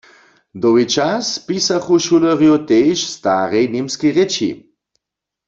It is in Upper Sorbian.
Dołhi čas pisachu šulerjo tež w starej němskej rěči.